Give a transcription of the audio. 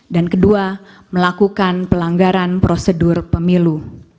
dan kedua melakukan pelanggaran prosedur pemilu